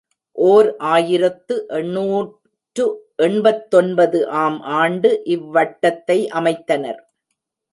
ஓர் ஆயிரத்து எண்ணூற்று எண்பத்தொன்பது ஆம் ஆண்டு இவ்வட்டத்தை அமைத்தனர்.